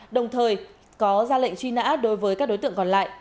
đồng thời có ra lệnh truy nã đối với các đối tượng còn lại